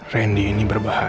rendy ini berbahaya